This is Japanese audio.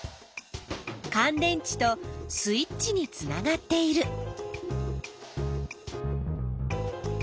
かん電池とスイッチにつながっている。